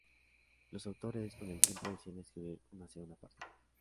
Los autores, con el tiempo, deciden escribir una segunda parte.